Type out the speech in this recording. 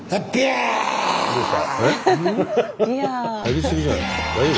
入り過ぎじゃない？